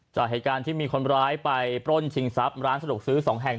จากเหตุการณ์ที่มีคนร้ายไปปล้นชิงทรัพย์ร้านสะดวกซื้อ๒แห่ง